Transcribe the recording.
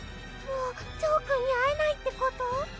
もうジョーくんに会えないってこと？